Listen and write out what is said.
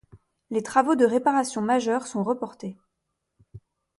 Les travaux de réparations majeures sont reportés.